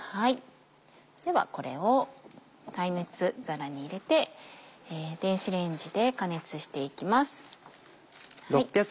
ではこれを耐熱皿に入れて電子レンジで加熱していきます。